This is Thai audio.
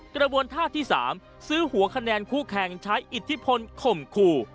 กระบวนท่าที่๓ซื้อหัวคะแนนคู่แข่งใช้อิทธิพลข่มขู่